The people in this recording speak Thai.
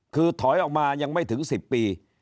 คือถอยออกมายังไม่ถึง๑๐ปี